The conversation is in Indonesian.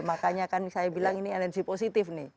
makanya kan saya bilang ini energi positif nih